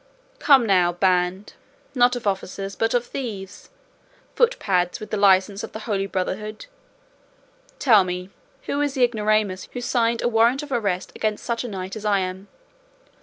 Come now; band, not of officers, but of thieves; footpads with the licence of the Holy Brotherhood; tell me who was the ignoramus who signed a warrant of arrest against such a knight as I am?